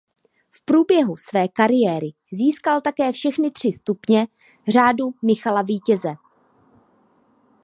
V průběhu své kariéry získal také všechny tři stupně Řádu Michala Vítěze.